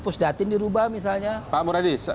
apakah merubah lembaga yang berkelolaan dengan anggaran